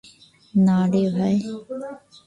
না রে ভাই।